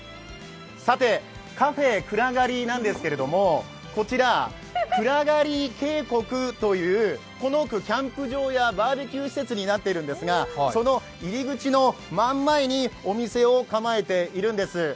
さてＣＡＦＥＫＵＲＡＧＡＲＩなんですけれども、こちらくらがり渓谷というこの奥、キャンプ場やバーベキュー施設になってるんですがその入り口の真ん前にお店を構えているんです。